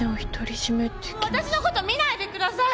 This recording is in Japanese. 私のこと見ないでください！